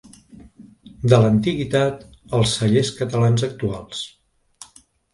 De l’antiguitat als cellers catalans actuals.